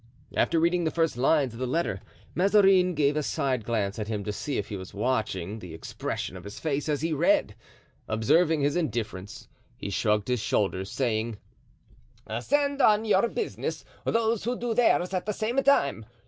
After reading the first lines of the letter Mazarin gave a side glance at him to see if he was watching the expression of his face as he read. Observing his indifference, he shrugged his shoulders, saying: "Send on your business those who do theirs at the same time!